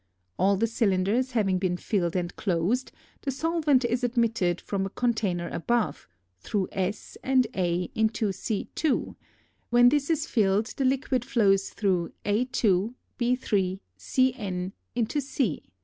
All the cylinders having been filled and closed, the solvent is admitted from a container above, through S and a into C^2; when this is filled the liquid flows through _a_^2_b_^3_c_^n into C.